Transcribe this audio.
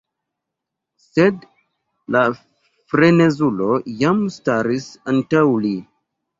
Sed la frenezulo jam staris antaŭ li.